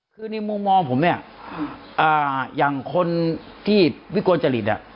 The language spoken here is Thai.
คือในมุมมองผมเนี่ยอย่างคนที่วิกลจริต